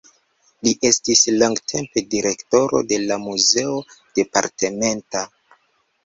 Li estis longtempe direktoro de la muzeo departementa.